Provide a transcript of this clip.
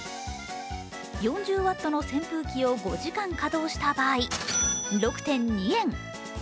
４０Ｗの扇風機を５時間稼働した場合、６．２円。